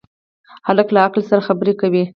هلک له عقل سره خبرې کوي.